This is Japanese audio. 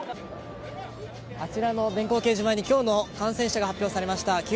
あちらの電光掲示板に今日の感染者が発表されました。